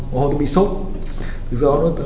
một hôm tôi bị sốt